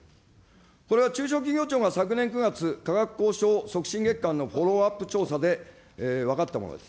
これは中小企業庁が昨年９月、価格交渉促進月間のフォローアップ調査で分かったものです。